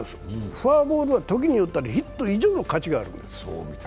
フォアボールは時によったらヒット以上の価値があるんです。